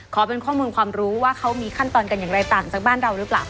ขอเป็นข้อมูลความรู้ว่าเขามีขั้นตอนกันอย่างไรต่างจากบ้านเราหรือเปล่า